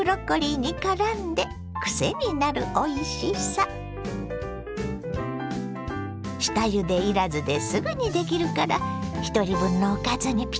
下ゆでいらずですぐにできるからひとり分のおかずにピッタリよ！